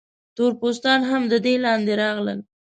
تور پوستان هم د دې لاندې راغلل.